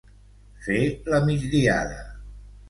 Fer la migdiada.